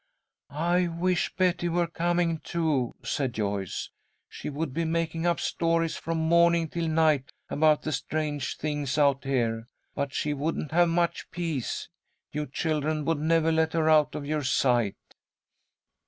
"I wish Betty were coming, too," said Joyce. "She would be making up stories from morning till night about the strange things out here; but she wouldn't have much peace. You children would never let her out of your sight."